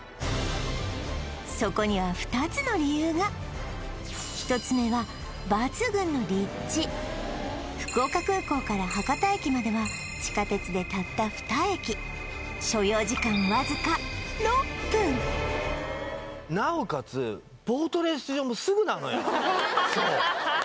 そこには２つの理由が１つ目は福岡空港から博多駅までは地下鉄でたった２駅所要時間わずか６分なおかつそう！